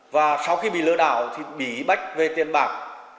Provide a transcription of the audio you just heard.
và sau khi bị lừa đảo thì bị bách về tiền bạc